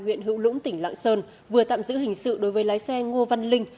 huyện hữu lũng tỉnh lạng sơn vừa tạm giữ hình sự đối với lái xe ngô văn linh